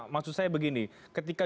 maksud saya begini ketika